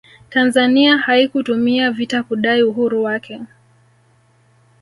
tanzania haikutumia vita kudai uhuru wake